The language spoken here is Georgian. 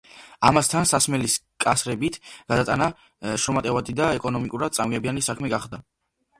ამასთან, სასმელის კასრებით გადატანა შრომატევადი და ეკონომიურად წაგებიანი საქმე გახდა.